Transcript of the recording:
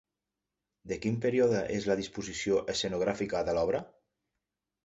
De quin període és la disposició escenogràfica de l'obra?